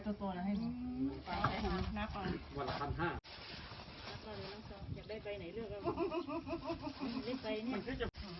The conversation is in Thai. ต้องเช็ดไข่ก่อนนะคะ